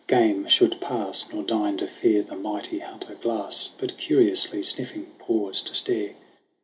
Game should pass, Nor deign to fear the mighty hunter Glass, But curiously sniffing, pause to stare.